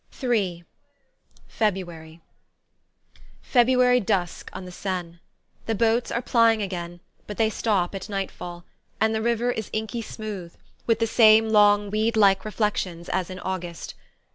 III FEBRUARY FEBRUARY dusk on the Seine. The boats are plying again, but they stop at nightfall, and the river is inky smooth, with the same long weed like reflections as in August.